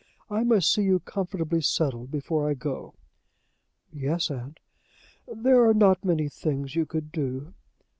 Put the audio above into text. I must see you comfortably settled before I go." "Yes, aunt." "There are not many things you could do."